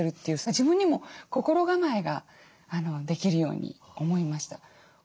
自分にも心構えができるように思いました。